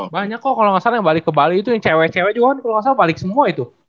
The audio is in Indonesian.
banyak kok kalau nggak salah yang balik ke bali itu yang cewek cewek juga kan kalau nggak salah balik semua itu